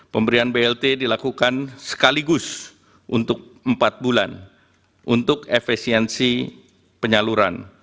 pemberian blt dilakukan sekaligus untuk empat bulan untuk efisiensi penyaluran